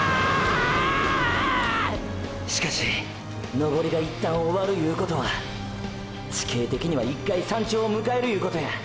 しかし登りが一旦終わるいうことは地形的には一回山頂迎えるいうことや。